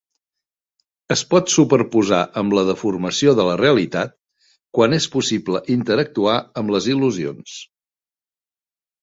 Es pot superposar amb la deformació de la realitat quan és possible interactuar amb les il·lusions.